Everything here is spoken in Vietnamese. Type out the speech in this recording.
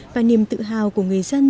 và niềm tự hào của người dân